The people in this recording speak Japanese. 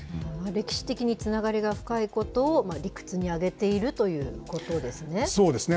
歴史的につながりが深いことを理屈に挙げているということでそうですね。